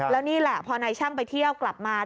แล้วนี่แหละพอนายช่างไปเที่ยวกลับมา